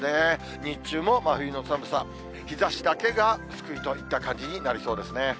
日中も真冬の寒さ、日ざしだけが救いといった感じになりそうですね。